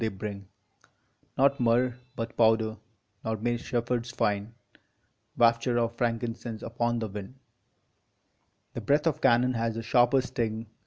they bring Not myrrh, but powder; nor may shepherds find Wafture of frankincense upon the wind: The breath of cannon has a sharper sting!